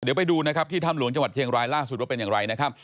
เดี๋ยวไปดูนะครับที่ถ้ำหลวงจังหวัดเชียงรายล่าสุดว่าเป็นอย่างไรนะครับ